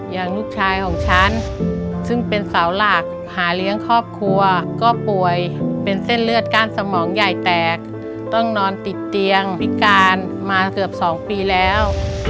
อย่างลูกชายของฉันซึ่งเป็นเสาหลักหาเลี้ยงครอบครัวก็ป่วยเป็นเส้นเลือดก้านสมองใหญ่แตกต้องนอนติดเตียงพิการมาเกือบ๒ปีแล้ว